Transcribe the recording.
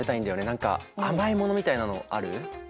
何か甘いものみたいなのある？